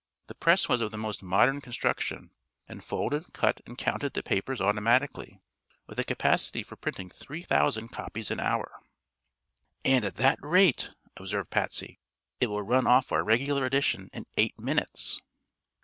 The press was of the best modern construction, and folded, cut and counted the papers automatically, with a capacity for printing three thousand copies an hour. "And at that rate," observed Patsy, "It will run off our regular edition in eight minutes."